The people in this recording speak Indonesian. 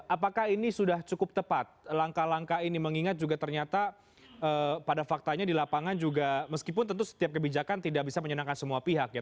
apakah ini sudah cukup tepat langkah langkah ini mengingat juga ternyata pada faktanya di lapangan juga meskipun tentu setiap kebijakan tidak bisa menyenangkan semua pihak ya